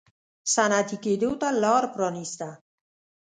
صنعتي کېدو ته لار پرانېسته.